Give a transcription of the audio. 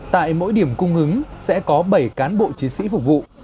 tại mỗi điểm cung ứng sẽ có bảy cán bộ chiến sĩ phục vụ